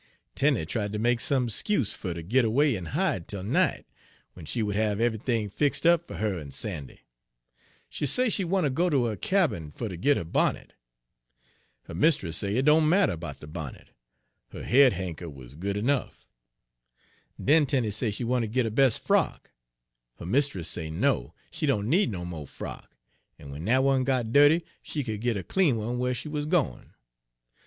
Tenie tried ter make some 'scuse fer ter git away en hide 'tel night, w'en she would have eve'ything fix' up fer her en Sandy; she say she wanter go ter her cabin fer ter git her bonnet. Her mistiss say it doan matter 'bout de bonnet; her head hankcher wuz good ernuff. Den Tenie say she wanter git her bes' frock; her mistiss say no, she doan need no mo' frock, en w'en dat one got dirty she could git a clean one whar she wuz gwine.